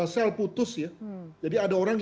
sel putus ya jadi ada orang